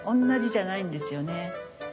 同じじゃないんですよね。